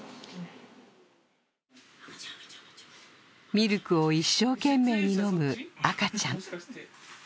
ミルクを一生懸命に飲む赤ちゃん。